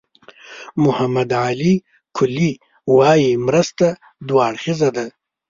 محمد علي کلي وایي مرسته دوه اړخیزه ده.